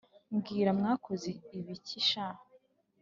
mbwira mwakoze ibiki sha!"